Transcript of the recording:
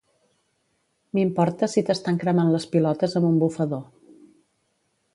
M'importa si t'estan cremant les pilotes amb un bufador.